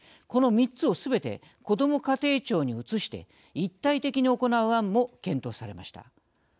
この３つをすべてこども家庭庁に移して一体的に行う案も検討されました。